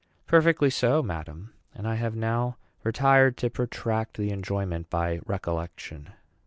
"Perfectly so, madam; and I have now retired to protract the enjoyment by recollection."